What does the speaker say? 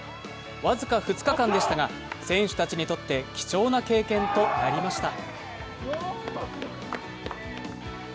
僅か２日間でしたが選手たちにとって貴重な経験となりました。